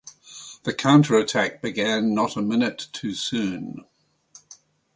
The counterattack began not a minute too soon.